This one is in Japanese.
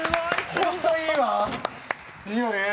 本当いいわ！いいよね？